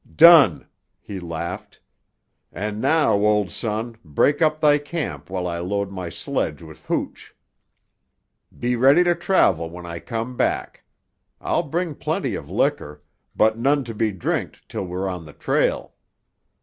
"Done," he laughed. "And now, old son, break up thy camp while I load my sledge with hooch. Be ready to travel when I come back. I'll bring plenty of liquor, but none to be drinked till we're on the trail.